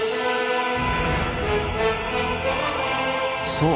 そう！